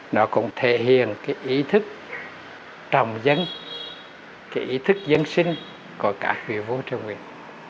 nó cũng thể hiện cái ý thức trồng dân cái ý thức dân sinh của các vị vua triều nguyễn